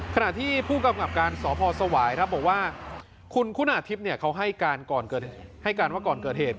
ขณะที่ผู้กำกับการสพสวายครับบอกว่าคุณคุณาทิพย์เขาให้การก่อนให้การว่าก่อนเกิดเหตุ